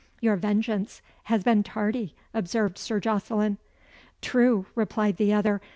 "Your vengeance has been tardy," observed Sir Jocelyn. "True," replied the other.